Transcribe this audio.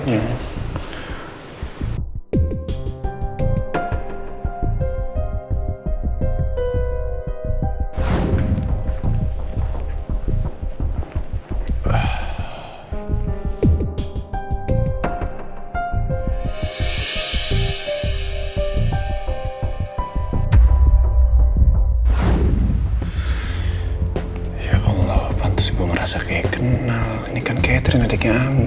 ya allah pantas gue merasa kayak kenal ini kan katrina dikamu